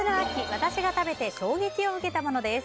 私が食べて衝撃を受けたものです。